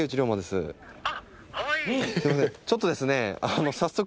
ちょっとですね早速。